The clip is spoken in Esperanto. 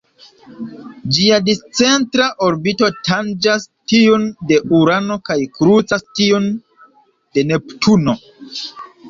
Ĝia discentra orbito tanĝas tiun de Urano kaj krucas tiun de Neptuno.